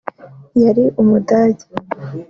Yari umudage